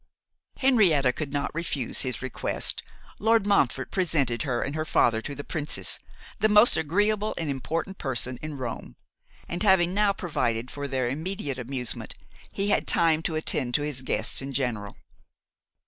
Henrietta could not refuse his request. Lord Montfort presented her and her father to the princess, the most agreeable and important person in Rome; and having now provided for their immediate amusement, he had time to attend to his guests in general.